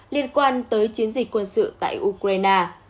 liên quan tới chiến dịch quân sự tại ukraine